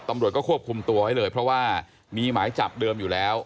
ตำรวจก็ควบคุมตัวไว้เลยเพราะว่ามีหมายจับเดิมอยู่แล้ว